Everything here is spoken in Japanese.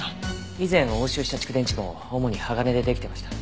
以前押収した蓄電池も主に鋼でできていました。